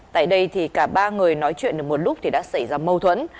tại đây thì cả ba người nói chuyện được một lúc thì đã xảy ra mâu thuẫn